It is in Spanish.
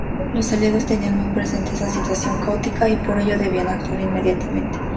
Los Aliados tenían muy presente esta situación caótica y por ello debían actuar inmediatamente.